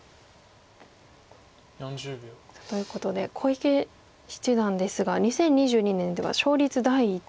ということで小池七段ですが２０２２年では勝率第１位。